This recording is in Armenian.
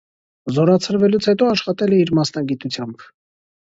Զորացրվելուց հետո աշխատել է իր մասնագիտությամբ։